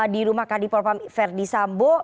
di rumah kandipol pemik verdi sambo